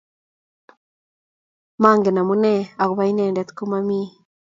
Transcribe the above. Mangen amune akopa inendet komami